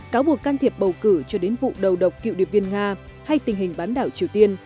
cáo buộc can thiệp bầu cử cho đến vụ đầu độc cựu điệp viên nga hay tình hình bán đảo triều tiên